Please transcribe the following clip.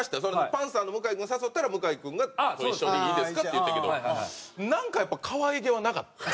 パンサーの向井君誘ったら向井君が「一緒にいいですか？」って言ったけどなんかやっぱ可愛げはなかった。